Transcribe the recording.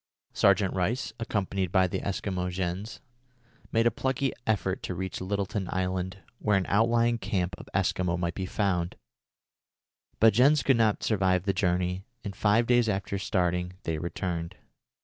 Sergeant Rice, accompanied by the Eskimo Jens, made a plucky effort to reach Littleton Island, where an outlying camp of Eskimo might be found; but Jens could not stand the journey, and, five days after starting, they returned.